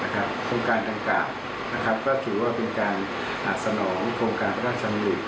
โครงการดังกล่าวก็ถือว่าเป็นการสนองโครงการพระราชดำริ